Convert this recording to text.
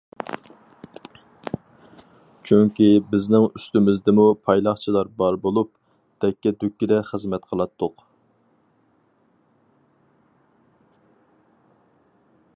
چۈنكى بىزنىڭ ئۈستىمىزدىمۇ پايلاقچىلار بار بولۇپ، دەككە-دۈككىدە خىزمەت قىلاتتۇق.